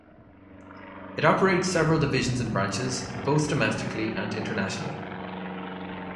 It operates several divisions and branches, both domestically and internationally.